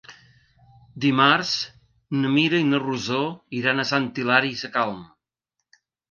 Dimarts na Mira i na Rosó iran a Sant Hilari Sacalm.